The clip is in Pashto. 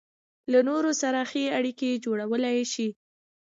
له نورو سره ښې اړيکې جوړولای شي.